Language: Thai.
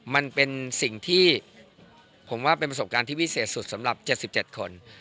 มันเป็นสิ่งที่ผมว่าเป็นประสบการณ์ที่วิเศษสุดสำหรับ๗๗คน